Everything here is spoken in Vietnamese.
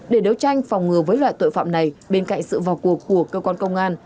để đấu tranh phòng ngừa với loại tội phạm này bên cạnh sự vào cuộc của cơ quan công an